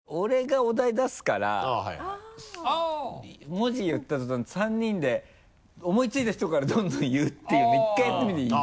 文字言った途端３人で思い付いた人からどんどん言うっていうの１回やってみていい？